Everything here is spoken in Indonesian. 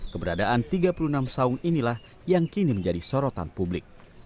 keberadaan tiga puluh enam saung inilah yang kini menjadi sorotan publik